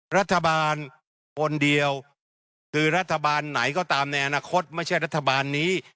รัฐบาลคนเดียวคือรัฐบาลไหนก็ตามในอนาคตไม่ใช่รัฐบาลนี้